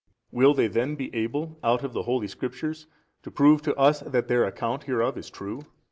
A. Will they then be able out of the Holy Scriptures to prove to us that their account hereof is true?